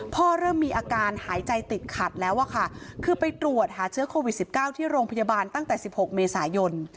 เริ่มมีอาการหายใจติดขัดแล้วอะค่ะคือไปตรวจหาเชื้อโควิด๑๙ที่โรงพยาบาลตั้งแต่๑๖เมษายน